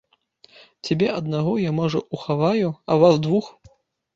Цябе аднаго я, можа, ухаваю, а вас двух?!